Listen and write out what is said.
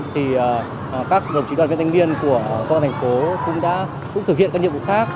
thì các bộ trí đoàn viên thanh niên của quốc gia thành phố cũng đã thực hiện các nhiệm vụ khác